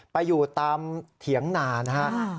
ไปอยู่ตามเถียงนานะครับ